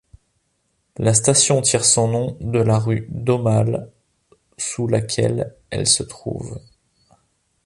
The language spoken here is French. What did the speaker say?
La station tire son nom de la rue d'Aumale sous laquelle elle se trouve.